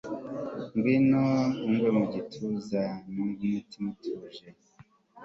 ngwino ungwe mu gituza, numve umutima utuje